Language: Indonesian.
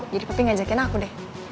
jadi papi ngajakin aku deh